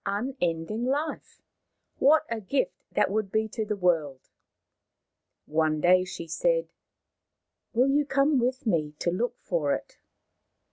Unending Life ! What a gift that would be to the world !" One day she said, 11 Will you come with me to look for it